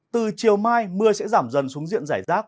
từ chiều mai mưa sẽ giảm dần xuống diện giải rác